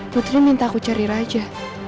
putri minta aku cari raja